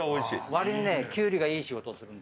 わりにねキュウリがいい仕事する。